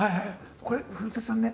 これ古さんね。